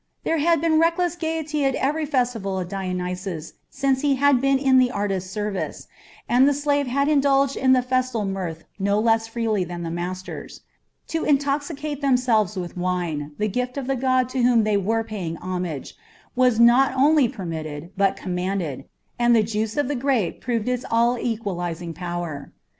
There had been reckless gaiety at every festival of Dionysus since he had been in the artist's service, and the slaves had indulged in the festal mirth no less freely than the masters. To intoxicate themselves with wine, the gift of the god to whom they were paying homage, was not only permitted, but commanded, and the juice of the grape proved its all equalizing power.